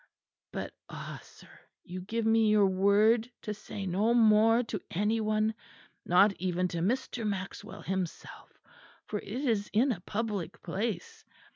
But ah! sir, you give me your word to say no more to any one, not even to Mr. Maxwell himself, for it is in a public place.